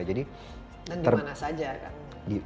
dan dimana saja kan